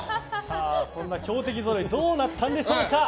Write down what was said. そんな強敵ぞろいどうなったんでしょうか。